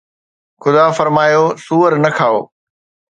خدا فرمايو سوئر نه کائو